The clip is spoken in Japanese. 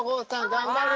頑張る！